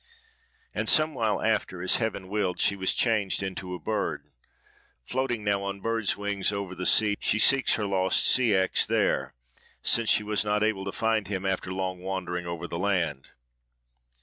And some while after, as Heaven willed, she was changed into a bird. Floating now on bird's wings over the sea she seeks her lost Ceyx there; since she was not able to find him after long wandering over the land."